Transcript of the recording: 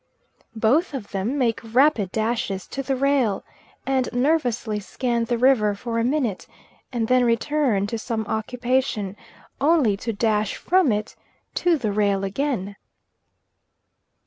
Both of them make rapid dashes to the rail, and nervously scan the river for a minute and then return to some occupation, only to dash from it to the rail again.